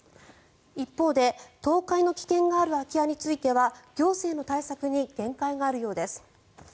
一方で倒壊の危険がある空き家については行政の対策に限界があるようです。